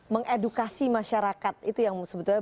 mengedukasi masyarakat itu yang sebetulnya